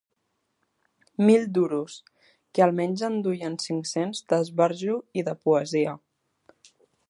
Mil duros que al menys en duien cinc-cents d'esbarjo i de poesia